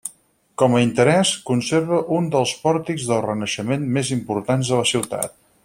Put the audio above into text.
Com a interès conserva un dels pòrtics del renaixement més importants de la ciutat.